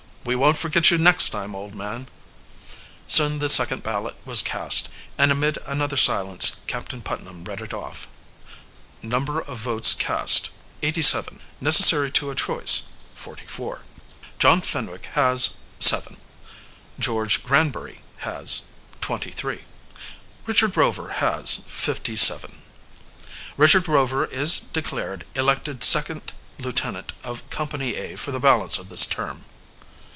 "We won't forget you next time, old man!" Soon the second ballot was cast, and amid another silence Captain Putnam read it off: Number of votes cast 87 Necessary to a choice 44 John Fenwick has 7 George Granbury has 23 Richard Rover has 57 "Richard Rover is declared elected second lieutenant of Company A for the balance of this term."